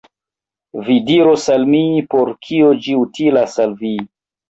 Vi diros al mi, por kio ĝi utilas al vi.